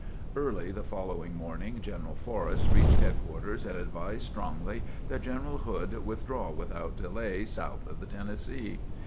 Early the following morning, General Forrest reached headquarters and advised strongly that General Hood withdraw without delay south of the Tennessee.